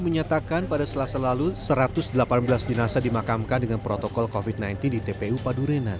menyatakan pada selasa lalu satu ratus delapan belas jenazah dimakamkan dengan protokol covid sembilan belas di tpu padurenan